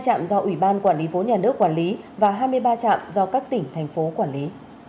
hai trạm do ủy ban quản lý vốn nhà nước quản lý và hai mươi ba trạm do các tỉnh thành phố quản lý